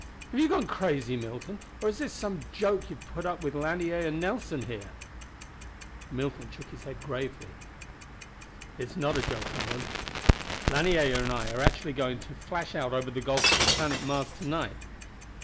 "Have you gone crazy, Milton or is this some joke you've put up with Lanier and Nelson here?" Milton shook his head gravely. "It is not a joke, Allan. Lanier and I are actually going to flash out over the gulf to the planet Mars to night.